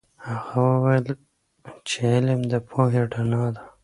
هغه وویل چې علم د پوهې رڼا ده.